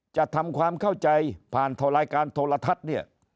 จะทำความเข้าใจผ่านรายการโทรทัศน์